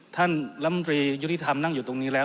ท่านลำตรียุติธรรมนั่งอยู่ตรงนี้แล้ว